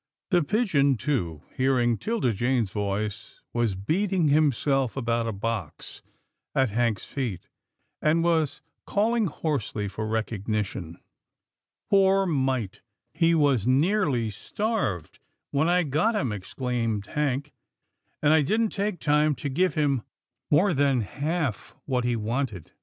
The pigeon too, hearing 'Tilda Jane's voice, was beating himself about a box at Hank's feet, and was calling hoarsely for recognition. " Poor mite, he was nearly starved when I got him," exclaimed Hank, " and I didn't take time to give him more than half what he wanted."